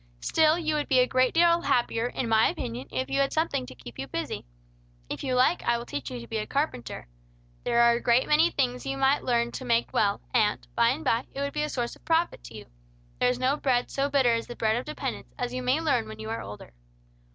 Still you would be a great deal happier, in my opinion, if you had something to keep you busy. If you like, I will teach you to be a carpenter. There are a great many things you might learn to make well, and, by and by, it would be a source of profit to you. There is no bread so bitter as the bread of dependence, as you may learn when you are older."